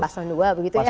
paslon dua begitu ya